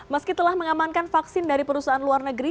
meski telah mengamankan vaksin dari perusahaan luar negeri